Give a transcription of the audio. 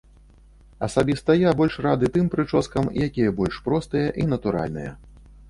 Асабіста я больш рады тым прычоскам, якія больш простыя і натуральныя.